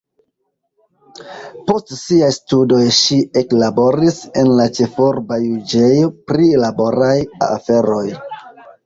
Post siaj studoj ŝi eklaboris en la ĉefurba juĝejo pri laboraj aferoj.